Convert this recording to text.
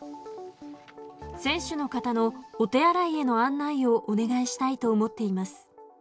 選手の方のお手洗いへの案内をお願いしたいと思っています。